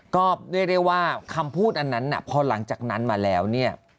ก็เรียกได้ว่าคำพูดอันนั้นพอหลังจากนั้นมาแล้วเนี่ย